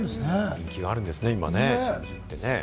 人気があるんですね、真珠って。